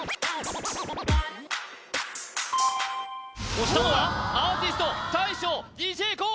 押したのはアーティスト大将ＤＪＫＯＯ！